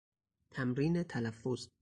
تمرین تلفظ